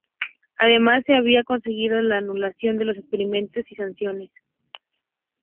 Además se había conseguido la anulación de los expedientes y sanciones.